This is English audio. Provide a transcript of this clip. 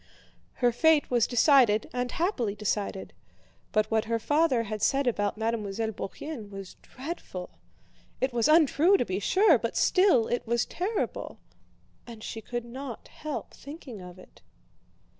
Her fate was decided and happily decided. But what her father had said about Mademoiselle Bourienne was dreadful. It was untrue to be sure, but still it was terrible, and she could not help thinking of it.